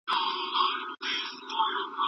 حوصله درلودل د هر مشر لپاره اړین صفت دی.